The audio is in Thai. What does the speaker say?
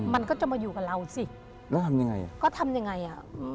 มันก็จะมาอยู่กับเราสิแล้วทำยังไงก็ทำยังไงอ่ะ